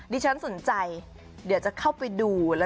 ดิฉันสนใจเดี๋ยวจะเข้าไปดู